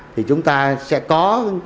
thì chúng ta sẽ có